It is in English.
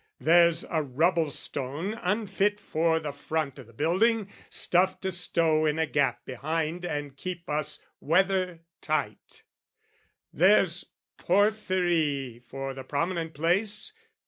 There's a rubble stone "Unfit for the front o' the building, stuff to stow "In a gap behind and keep us weather tight; "There's porphyry for the prominent place.